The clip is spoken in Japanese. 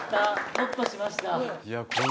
ホッとしました